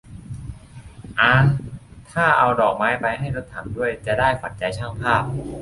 อ๊าง ถ้าเอาดอกไม้ไปให้รถถังด้วย จะได้ 'ขวัญใจช่างภาพ'